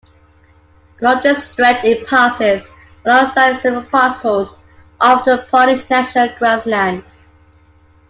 Along this stretch it passes alongside several parcels of the Pawnee National Grasslands.